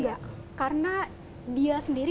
enggak karena dia sendiri